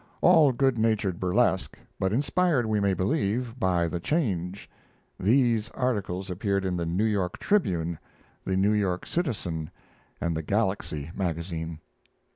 all good natured burlesque, but inspired, we may believe, by the change: These articles appeared in the New York Tribune, the New York Citizen, and the Galaxy Magazine.